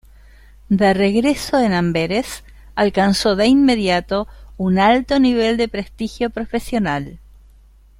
De regreso en Amberes alcanzó de inmediato un alto nivel de prestigio profesional.